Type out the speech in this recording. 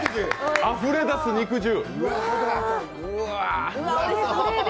あふれ出す肉汁。